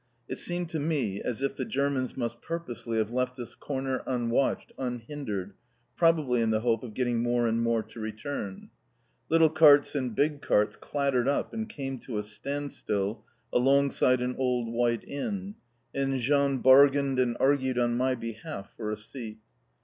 It seemed to me as if the Germans must purposely have left this corner unwatched, unhindered, probably in the hope of getting more and more to return. Little carts and big carts clattered up and came to a standstill alongside an old white inn, and Jean bargained and argued on my behalf for a seat.